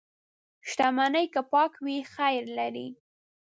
• شتمني که پاکه وي، خیر لري.